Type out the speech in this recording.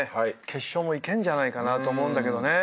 決勝もいけんじゃないかなと思うんだけどね。